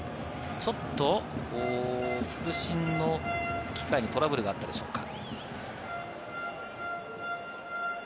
ちょっと副審の機械にトラブルがあったでしょうか。